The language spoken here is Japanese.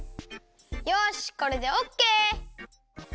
よしこれでオッケー！